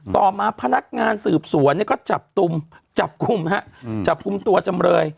ต่อมาพนักงานสืบสวนเนี่ยก็จับกลุ่มจับกลุ่มฮะจับกลุ่มตัวจำเลย